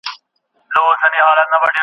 هغه د هېواد د دفاع لپاره سر ورکړ.